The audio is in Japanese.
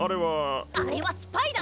あれはスパイだ！